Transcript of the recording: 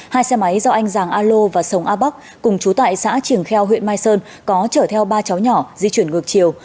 hai xe máy do anh giàng a lô và sông a bắc cùng chú tại xã triển kheo huyện mai sơn có chở theo ba cháu nhỏ di chuyển ngược chiều